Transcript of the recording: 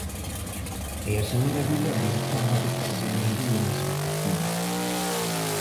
E a señora Viloira fala de que se gradúan as vacacións.